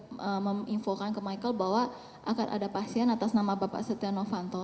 saya meminfokan ke michael bahwa akan ada pasien atas nama bapak stiano fanto